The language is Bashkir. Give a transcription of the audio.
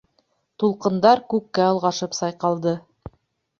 Тулҡындар күккә олғашып сайҡалды.